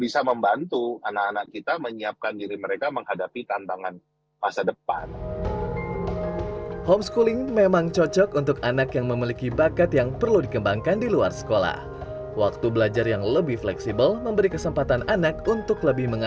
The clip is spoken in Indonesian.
saya baru baca kalau nggak salah dokumen paling